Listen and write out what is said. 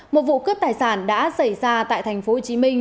một vụ cướp tài sản đã xảy ra tại tp hcm